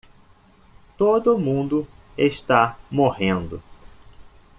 Todo mundo está morrendo